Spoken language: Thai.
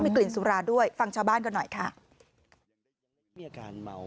มีกลิ่นสุราด้วยฟังชาวบ้านก่อนหน่อยค่ะมีอาการเมา